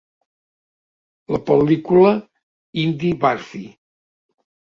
La pel·lícula hindi Barfi!